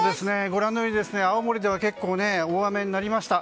ご覧のように、青森では結構大雨になりました。